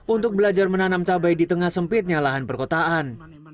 untuk belajar menanam cabai di tengah sempitnya lahan perkotaan